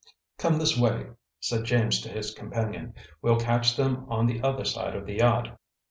"Come this way," said James to his companion. "We'll catch them on the other side of the yacht."